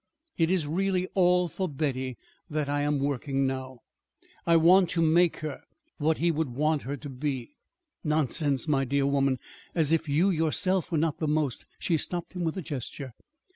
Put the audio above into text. It is really all for Betty that I am working now. I want to make her what he would want her to be." "Nonsense, my dear woman! As if you yourself were not the most " She stopped him with a gesture.